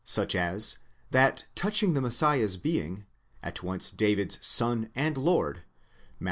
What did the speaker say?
® such as that touching the Messiah's being at once David's Son and Lord (Matt.